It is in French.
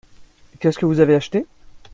Qu’est-ce que vous avez acheté ?